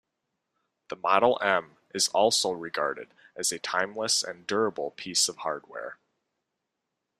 The Model M is also regarded as a timeless and durable piece of hardware.